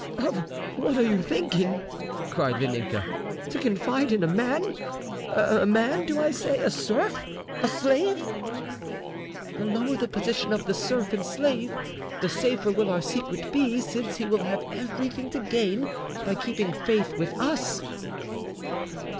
"Of what are you thinking?" cried Vaninka. "To confide in a man? A man, do I say? A serf! a slave!" "The lower the position of the serf and slave, the safer will our secret be, since he will have everything to gain by keeping faith with us."